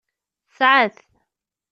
Tesɛa-t.